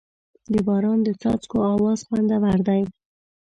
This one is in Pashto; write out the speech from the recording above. د باران د څاڅکو اواز خوندور دی.